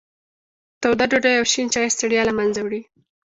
توده ډوډۍ او شین چای ستړیا له منځه وړي.